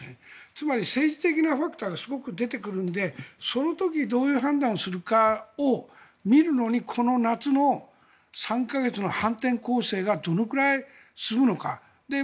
つまり、政治的なファクターがすごく出てくるのでその時にどういう判断をするかを見るのにこの夏の３か月の反転攻勢がどのくらい進むのか。